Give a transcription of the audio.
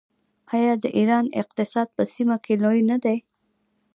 آیا د ایران اقتصاد په سیمه کې لوی نه دی؟